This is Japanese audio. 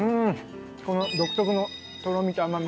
この独特のとろみと甘み。